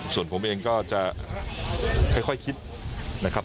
ส่วนผมเองก็จะค่อยคิดนะครับ